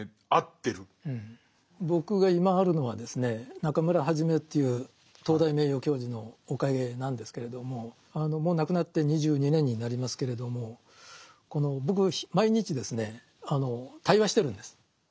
僕が今あるのはですね中村元という東大名誉教授のおかげなんですけれどももう亡くなって２２年になりますけれどもこの僕毎日ですね対話してるんです。